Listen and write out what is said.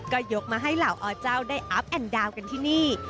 ก็ยกมาให้เหล่าอเจ้าได้อัพแอนดาวน์กันที่นี่